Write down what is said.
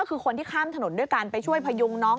ก็คือคนที่ข้ามถนนด้วยการไปช่วยพยุงน้อง